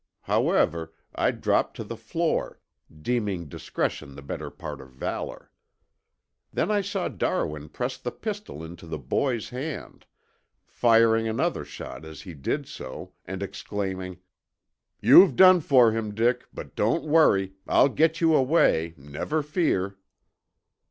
However, I dropped to the floor, deeming discretion the better part of valor. Then I saw Darwin press the pistol into the boy's hand, firing another shot as he did so and exclaiming, 'You've done for him, Dick, but don't worry, I'll get you away, never fear.'